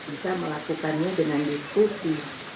bisa melakukannya dengan diskusi